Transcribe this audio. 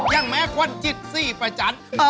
อย่างแม้คนจิตสี่ประจันทร์